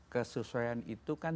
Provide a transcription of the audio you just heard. kesusuaian itu kan